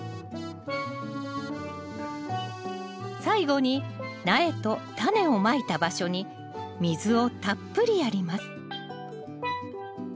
最後に苗とタネをまいた場所に水をたっぷりやります